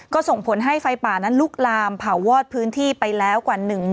ก็ส่งผลให้ไฟป่านั้นลุกลามเผาวอดพื้นที่ไปแล้วกว่า